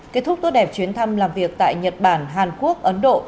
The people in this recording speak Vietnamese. kết thúc tốt đẹp chuyến thăm làm việc tại nhật bản hàn quốc ấn độ